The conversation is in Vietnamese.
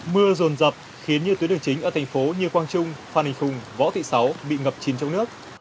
mưa rồn rập khiến những tuyến đường chính ở thành phố như quang trung phan hình khùng võ thị sáu bị ngập chín trong nước